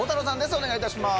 お願いいたします。